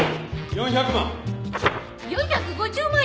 ４５０万円。